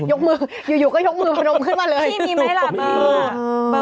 ยกมืออยู่ก็ยกมือมาลงขึ้นมาเลยพี่มีไหมล่ะเบอร์เออ